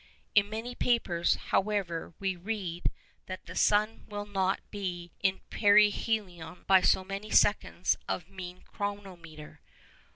In many papers, however, we read that the 'sun will not be in perihelion by so many seconds of mean chronometer!